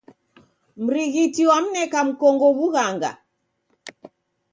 Mrighiti wamneka mkongo w'ughanga.